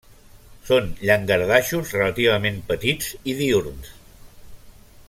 Són llangardaixos relativament petits i diürns.